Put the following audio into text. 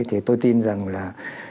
thì tôi tin rằng là